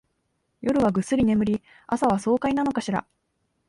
夜はぐっすり眠り、朝は爽快なのかしら